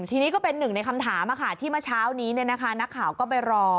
ทีนี้ก็เป็นหนึ่งในคำถามที่เมื่อเช้านี้นักข่าวก็ไปรอ